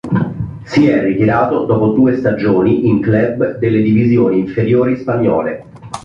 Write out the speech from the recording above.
Si è ritirato dopo due stagioni in club delle divisioni inferiori spagnole.